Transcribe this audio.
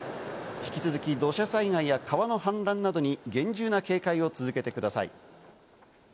引き続き土砂災害や川の氾濫などに厳重な警戒を続けてください。